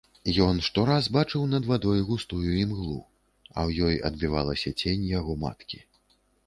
Ён штораз бачыў над вадой густую імглу, а ў ёй адбівалася цень яго маткі.